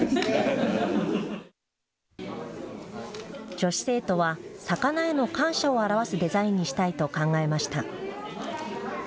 女子生徒は魚への感謝を表すデザインにしたいと考えました。